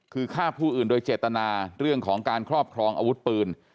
คือฆ่าผู้อื่นโดยเจตนาเรื่องของการครอบครองอาวุธปืน